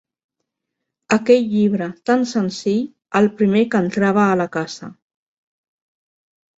Aquell llibre tant senzill, el primer que entrava a la casa